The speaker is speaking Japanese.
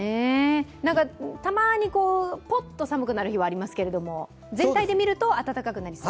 たまにポッと寒くなる日はありますけれども、全体で見ると暖かくなりそう。